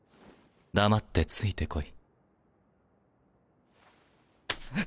黙ってついて来い。